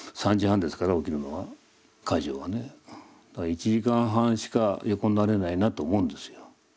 １時間半しか横になれないなと思うんですよ。